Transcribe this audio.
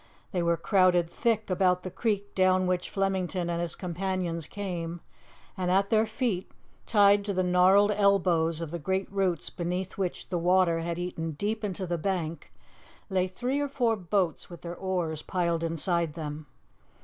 They were crowded thick about the creek down which Flemington and his companions came, and at their feet, tied to the gnarled elbows of the great roots beneath which the water had eaten deep into the bank, lay three or four boats with their oars piled inside them.